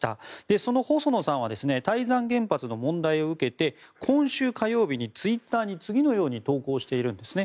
その細野さんは台山原発の問題を受け今週火曜日にツイッターに次のように投稿しているんです。